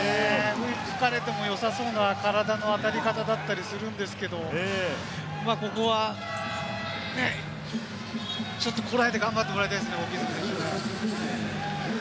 吹かれてもよさそうな体の当たり方だったりするんですけれども、ここはこらえて頑張ってもらいたいですね。